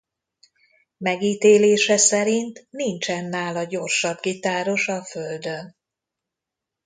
Megítélése szerint nincsen nála gyorsabb gitáros a földön.